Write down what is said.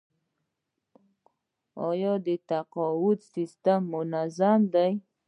آیا تقاعد سیستم منظم دی؟